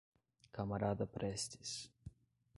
Camarada Prestes